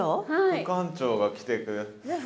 副館長が来てくれた。